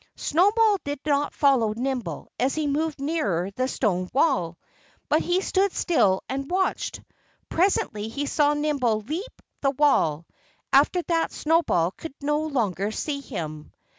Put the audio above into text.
Snowball did not follow Nimble as he moved nearer the stone wall. But he stood still and watched. Presently he saw Nimble leap the wall. After that Snowball could no longer see him.